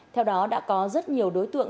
theo đó đã có rất nhiều đối tượng